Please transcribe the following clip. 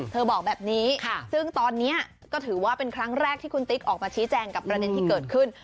บอกแบบนี้ซึ่งตอนนี้ก็ถือว่าเป็นครั้งแรกที่คุณติ๊กออกมาชี้แจงกับประเด็นที่เกิดขึ้น